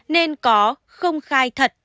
nên có không khai thật